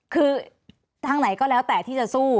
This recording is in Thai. คือทางไหนก็แล้วแต่ที่จะสู้